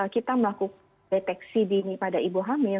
kita melakukan deteksi dini pada ibu hamil